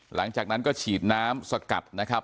หลังจากนั้นก็ฉีดน้ำสกัดนะครับ